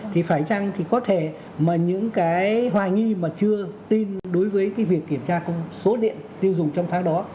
thì phải chăng thì có thể mà những cái hoài nghi mà chưa tin đối với cái việc kiểm tra số điện tiêu dùng trong tháng đó